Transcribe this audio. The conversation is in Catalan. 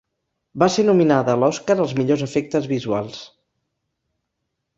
Va ser nominada a l'Oscar als millors efectes visuals.